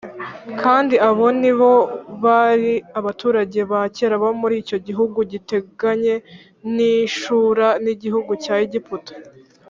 kandi abo ni bo bari abaturage ba kera bo muri icyo gihugu giteganye n’i shura n’igihugu cya egiputa